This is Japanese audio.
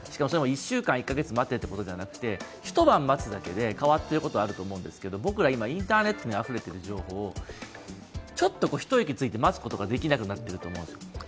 それも１週間、１カ月待ってというんじゃなくて一晩待つだけで変わっていることがあると思うんですが僕ら、今、インターネットにあふれている情報をちょっと一息ついて待つことができなくなっていると思うんです。